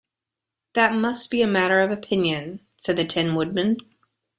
"That must be a matter of opinion," said the Tin Woodman.